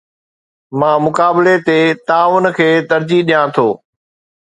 مان مقابلي تي تعاون کي ترجيح ڏيان ٿو